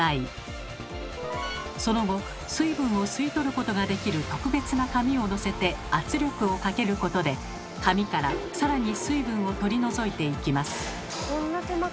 その後水分を吸い取ることができる特別な紙をのせて圧力をかけることで紙からさらに水分を取り除いていきます。